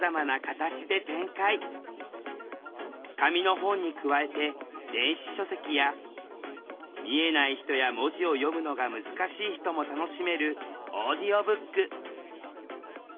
紙の本に加えて「電子書籍」や見えない人や文字を読むのが難しい人も楽しめる「オーディオブック」。